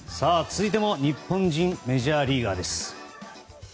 続いても日本人メジャーリーガーです。